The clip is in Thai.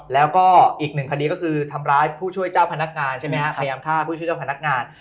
แล้วก็อีกหนึ่งคดีก็คือทำร้ายผู้ช่วยเจ้าพนักงานใช่ไหมฮะพยายามฆ่าผู้ช่วยเจ้าพนักงาน